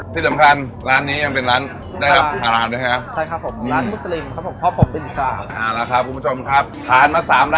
ที่สำคัญร้านนี้ยังเป็นร้าน